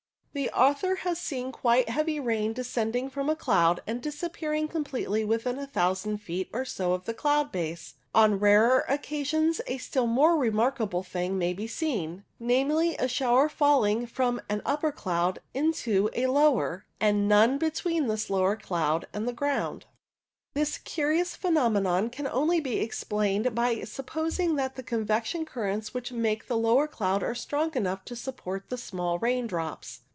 The author has often seen quite heavy rain descending from a cloud, and disappearing completely within a thousand feet or so of the cloud base. On rarer occasions a still more remarkable thing may be seen — namely, a shower falling from an upper cloud into a lower, and none between this lower cloud and the ground. Si a; o 6 I << •A STRATUS 17 This curious phenomenon can only be explained by supposing that the convection currents which make the lower cloud are strong enough to support the small raindrops.